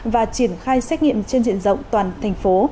và triển khai xét nghiệm trên diện rộng toàn thành phố